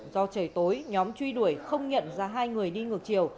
do trời tối nhóm truy đuổi không nhận ra hai người đi ngược chiều